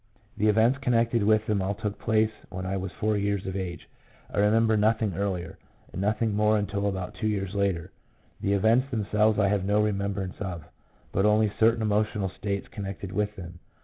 The events connected with them all took place when I was four years of age; I remember nothing earlier, and nothing more until about two years later. The events themselves I have no remembrance of, but only certain emotional states connected with them.